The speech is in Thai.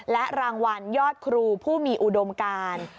และรางวัลยอดครูผู้มีอุดมการ